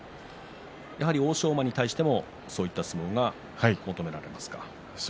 欧勝馬に対してもそういった相撲が求められますか？